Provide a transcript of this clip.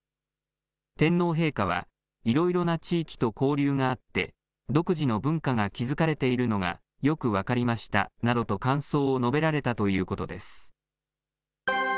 天皇陛下は、いろいろな地域と交流があって、独自の文化が築かれているのがよく分かりましたなどと、感想を述べられたということです。